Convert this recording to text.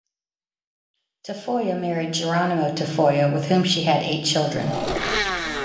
Tafoya married Geronimo Tafoya with whom she had eight children.